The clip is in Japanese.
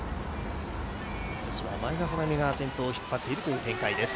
女子は前田穂南が先頭を引っ張っている展開です。